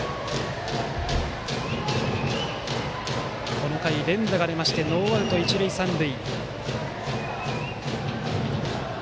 この回、連打が出ましてノーアウト一塁三塁。